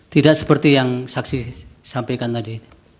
tidak seperti yang saksi sampaikan tadi